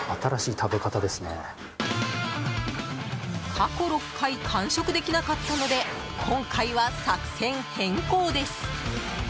過去６回完食できなかったので今回は作戦変更です。